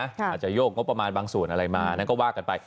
อาจจะโยกงบประมาณบางส่วนอะไรมานั่นก็ว่ากันไป